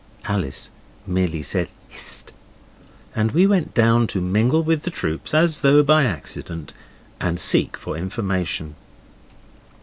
Alice merely said 'Hist', and we went down to mingle with the troops as though by accident, and seek for information.